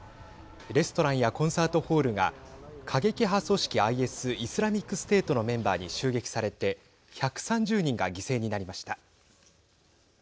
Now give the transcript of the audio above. レストランやコンサートホールが過激派組織ＩＳ＝イスラミックステートのメンバーに襲撃されて１３０人が犠牲になりました。